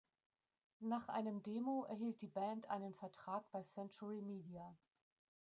Nach einem Demo erhielt die Band einen Vertrag bei Century Media.